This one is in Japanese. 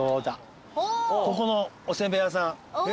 ここのおせんべい屋さん。